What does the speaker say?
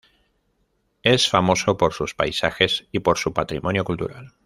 Es famoso por sus paisajes, y por su patrimonio cultural.